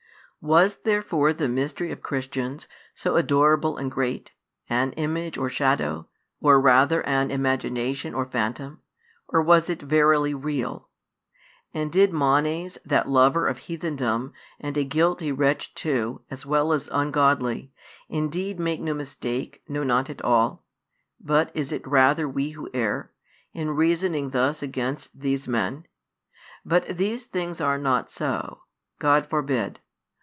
"Was therefore the Mystery of Christians, so adorable and great, an image or shadow, or rather an imagination or phantom: or was it verily real? And did Manes, that lover of heathendom, and a guilty wretch too, as well as ungodly, indeed make no mistake, no not at all; but is it rather we who err, in reasoning thus against these men? But these things are not so: God forbid.